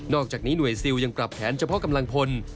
อกจากนี้หน่วยซิลยังปรับแผนเฉพาะกำลังพล